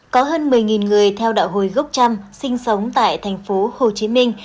có hơn một mươi người theo đạo hồi gốc trăm sinh sống tại thành phố hồ chí minh